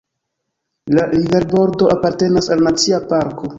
La riverbordo apartenas al Nacia parko.